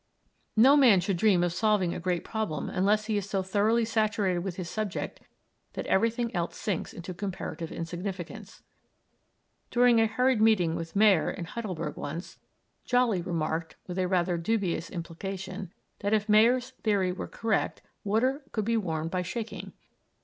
No man should dream of solving a great problem unless he is so thoroughly saturated with his subject that everything else sinks into comparative insignificance. During a hurried meeting with Mayer in Heidelberg once, Jolly remarked, with a rather dubious implication, that if Mayer's theory were correct water could be warmed by shaking.